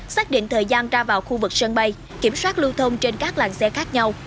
xác định thời gian ra vào khu vực sân bay kiểm soát lưu thông trên các làng xe khác nhau